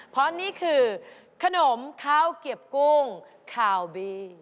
เพราะนี่คือขนมข้าวเก็บกุ้งคาวบี